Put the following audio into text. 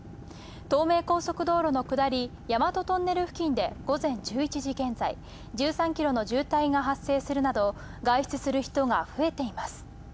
東名高速道路の下り大和トンネル付近で午前１１時現在、１３キロの渋滞が発生するなど外出する人が増えています。